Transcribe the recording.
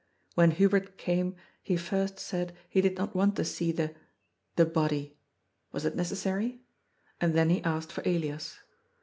When Hubert came, he first said ELIAS'S GUILT. 427 he did not want to see the — the body — was it necessary? — and then he asked for Elias.